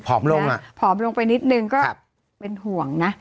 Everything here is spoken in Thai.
ลงอ่ะผอมลงไปนิดนึงก็เป็นห่วงนะ